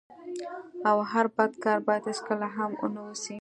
او هر بد کار بايد هيڅکله هم و نه سي.